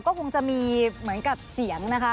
ก็คงจะมีเหมือนกับเสียงนะคะ